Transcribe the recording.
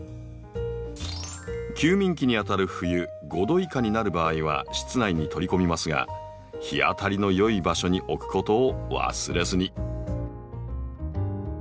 休眠期にあたる冬５℃以下になる場合は室内に取り込みますが日当たりの良い場所に置くことを忘れずに。